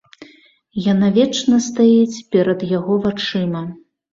Яна вечна стаіць перад яго вачыма.